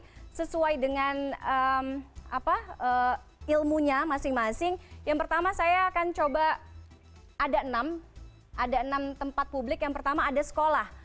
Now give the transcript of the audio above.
jadi sesuai dengan ilmunya masing masing yang pertama saya akan coba ada enam tempat publik yang pertama ada sekolah